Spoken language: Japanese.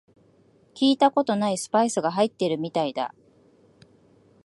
聞いたことないスパイスが入ってるみたいだ